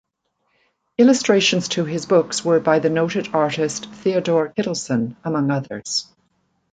Illustrations to his books were by the noted artist Theodor Kittelsen among others.